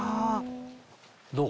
どう？